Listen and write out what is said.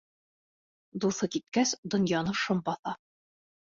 Дуҫы киткәс, донъяны шом баҫа.